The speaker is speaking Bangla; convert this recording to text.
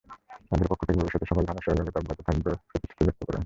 তাদের পক্ষ থেকে ভবিষ্যতেও সকল ধরনের সহযোগিতা অব্যাহত থাকবে প্রতিশ্রুতি ব্যক্ত করেন।